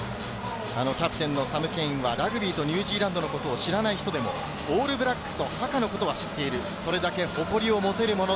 キャプテンのサム・ケインはラグビとニュージーランドを知らないことでも、オールブラックスのハカは知っている。